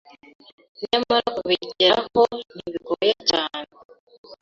Nyamara kubigeraho ntibigoye cyane